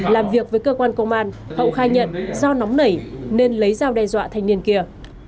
làm việc với cơ quan công an hậu khai nhận do nóng nảy nên lấy dao đe dọa thanh niên kia